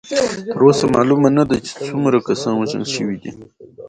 تر اوسه معلومه نه ده چې څومره کسان وژل شوي دي.